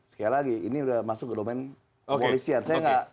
sekali lagi ini udah masuk ke domen polisian